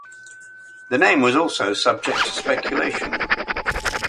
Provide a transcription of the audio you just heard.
The name was also subject to speculation.